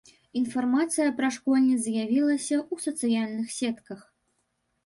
Інфармацыя пра школьніц з'явілася ў сацыяльных сетках.